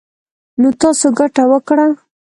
نـو تـاسو ګـټـه وكړه.